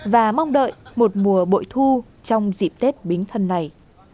và mong đợi một mùa bội thu trong dịp tết bính thân này